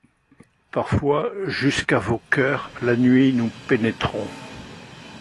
Parfois jusqu’à vos cœurs, la nuit, nous pénétrons